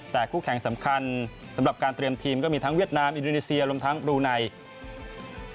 แต่คู่แข่งสำคัญสำหรับการเตรียมทีมก็มีทั้งเวียดนามอินโดนีเซียรวมทั้งบลูไน